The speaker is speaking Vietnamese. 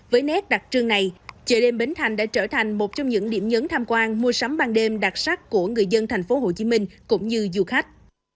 với nét đặc trưng này chợ đêm bến thành đã trở thành một trong những điểm nhấn tham quan mua sắm ban đêm đặc sắc của người dân thành phố hồ chí minh cũng như du khách